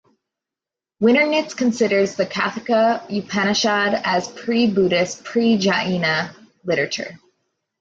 Winternitz considers the Kathaka Upanishad as pre-Buddhist, pre-Jaina literature.